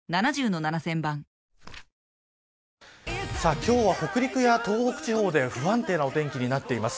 今日は北陸や東北地方で不安定なお天気になっています。